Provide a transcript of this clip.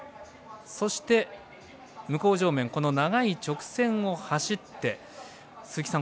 そして、向正面長い直線を走って鈴木さん